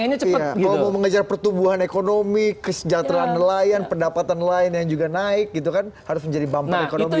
kalau mau mengejar pertumbuhan ekonomi kesejahteraan nelayan pendapatan lain yang juga naik gitu kan harus menjadi bumper ekonomi